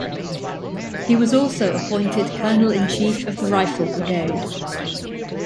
He was also appointed Colonel-in-Chief of the Rifle Brigade.